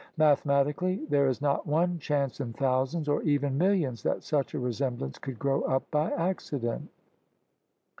Mathematically there is not one chance in thousands or even millions that such a resemblance could grow up by accident.